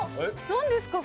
何ですか？